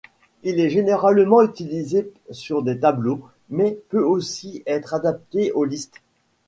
Il est généralement utilisé sur des tableaux, mais peut aussi être adapté aux listes.